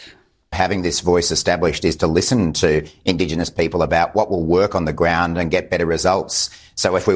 memiliki suara yang terbentuk adalah untuk mendengarkan orang orang indonesia tentang apa yang akan berjaya di tanah dan mendapatkan hasil yang lebih baik